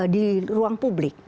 di ruang publik